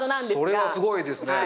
それはすごいですね。